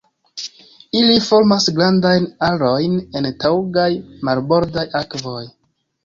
Ili formas grandajn arojn en taŭgaj marbordaj akvoj.